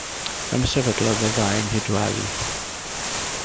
Ymsefydlodd y ddau yng Nghydweli.